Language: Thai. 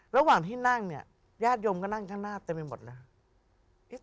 ระหว่างที่นั่งเนี่ยญาติโยมก็นั่งข้างหน้าเต็มไปหมดแล้ว